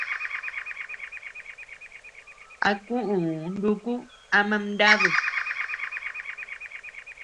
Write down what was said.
A kuu nuku ama mnadu.